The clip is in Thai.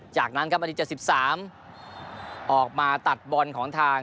จากนั้นครับนาที๗๓ออกมาตัดบอลของทาง